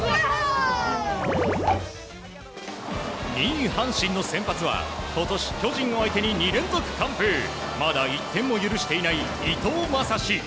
２位阪神の先発は今年巨人を相手に２連続完封まだ１点も許していない伊藤将司。